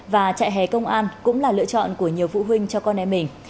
và trại hè công an cũng là lựa chọn của nhiều phụ huynh cho con em mình